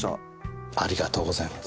ありがとうございます。